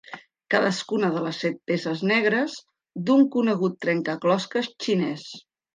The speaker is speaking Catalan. Cadascuna de les set peces negres d'un conegut trencaclosques xinès.